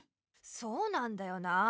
そうなんだよなあ。